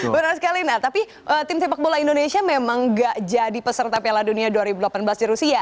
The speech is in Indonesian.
benar sekali nah tapi tim sepak bola indonesia memang gak jadi peserta piala dunia dua ribu delapan belas di rusia